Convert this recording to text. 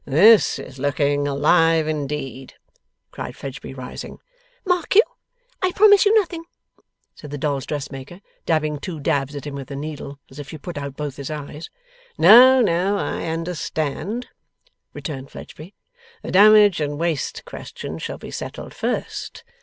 'This is looking alive indeed!' cried Fledgeby, rising. 'Mark you! I promise you nothing,' said the dolls' dressmaker, dabbing two dabs at him with her needle, as if she put out both his eyes. 'No no. I understand,' returned Fledgeby. 'The damage and waste question shall be settled first.